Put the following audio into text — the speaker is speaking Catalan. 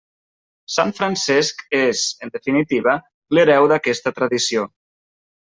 Sant Francesc és, en definitiva, l'hereu d'aquesta tradició.